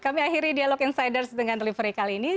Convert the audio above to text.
kami akhiri dialog insiders dengan delivery kali ini